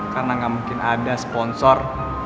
karena nggak mungkin ada sponsor